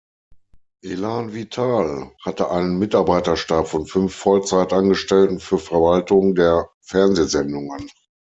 Elan Vital hatte einen Mitarbeiterstab von fünf Vollzeit-Angestellten für Verwaltung der Fernsehsendungen.